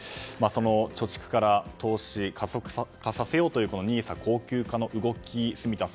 貯蓄から投資を加速化させようというＮＩＳＡ恒久化の動き。